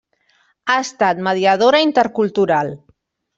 Ha estat mediadora intercultural.